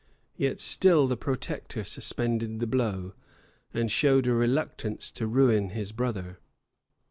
Yet still the protector suspended the blow, and showed a reluctance to ruin his brother.